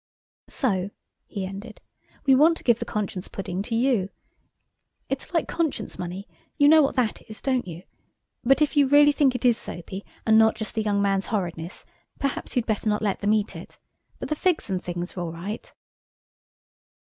"So," he ended, "we want to give the conscience pudding to you. It's like conscience money–you know what that is, don't you? But if you really think it is soapy and not just the young man's horridness, perhaps you'd better not let them eat it. But the figs and things are all right."